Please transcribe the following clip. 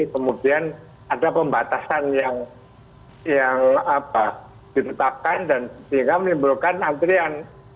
kemudian ada pembatasan yang ditetapkan dan sehingga menimbulkan antrian